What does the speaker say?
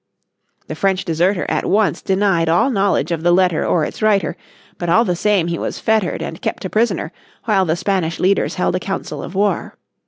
The French deserter at once denied all knowledge of the letter or its writer, but all the same he was fettered and kept a prisoner while the Spanish leaders held a council of war.